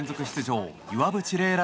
出場岩渕麗